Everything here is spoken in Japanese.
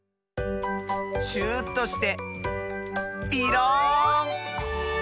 シューッとしてピローン！